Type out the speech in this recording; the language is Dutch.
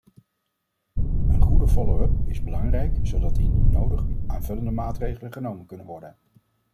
Een goede follow-up is belangrijk, zodat indien nodig aanvullende maatregelen genomen kunnen worden.